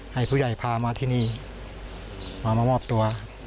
ให้ผู้ใหญ่พามาที่นี่มามามอบตัว